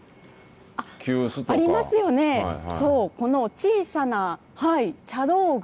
ありますよね、そう、この小さな茶道具。